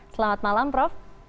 selamat malam prof